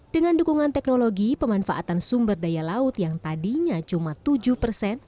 dengan dukungan teknologi pemanfaatan sumber daya laut yang tadinya cuma tujuh persen